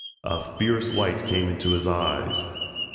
A fierce light came into his eyes.